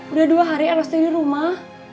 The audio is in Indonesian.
udah dua hari eros tuh di rumah